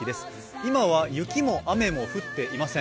今は雪も雨も降っていません。